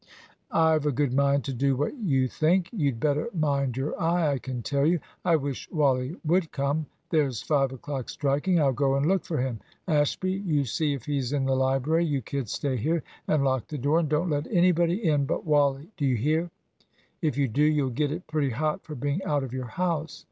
"I've a good mind to do what you think. You'd better mind your eye, I can tell you I wish Wally would come. There's five o'clock striking I'll go and look for him. Ashby, you see if he's in the library; you kids, stay here, and lock the door, and don't let anybody in but Wally. Do you hear? If you do, you'll get it pretty hot for being out of your house.